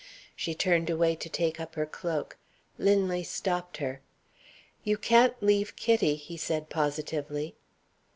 She turned away to take up her cloak. Linley stopped her. "You can't leave Kitty," he said, positively.